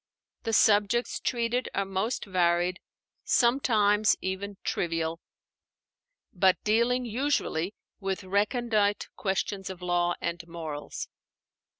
The subjects treated are most varied, sometimes even trivial, but dealing usually with recondite questions of law and morals.